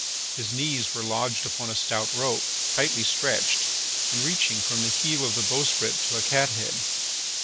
His knees were lodged upon a stout rope, tightly stretched, and reaching from the heel of the bowsprit to a cathead.